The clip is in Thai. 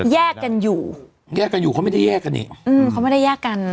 แยกกันอยู่แยกกันอยู่เขาไม่ได้แยกกันอีกอืมเขาไม่ได้แยกกัน